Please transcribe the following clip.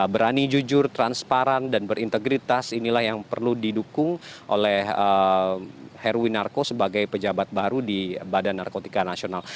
berani jujur transparan dan berintegritas inilah yang perlu didukung oleh heruwinarko sebagai pejabat baru di badan narkotika nasional